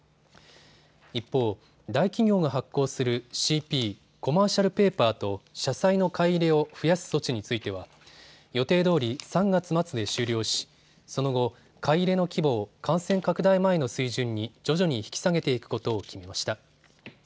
一方、大企業が発行するＣＰ・コマーシャルペーパーと社債の買い入れを増やす措置については予定どおり３月末で終了しその後、買い入れの規模を感染拡大前の水準に徐々に引き下げていくことを決めました。